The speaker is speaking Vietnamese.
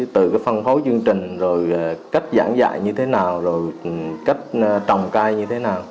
từ phân phối chương trình cách giảng dạy như thế nào cách trồng cây như thế nào